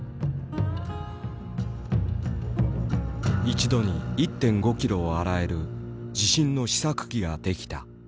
一度に１．５キロを洗える自信の試作機が出来た。